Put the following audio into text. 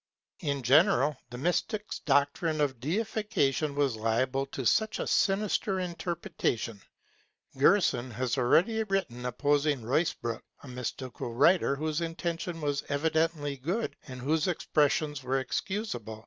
In general, the mystics' doctrine of deification was liable to such a sinister interpretation. Gerson already has written opposing Ruysbroek, a mystical writer, whose intention was evidently good and whose expressions are excusable.